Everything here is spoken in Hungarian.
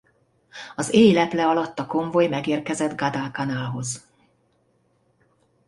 Az éj leple alatt a konvoj megérkezett Guadalcanalhoz.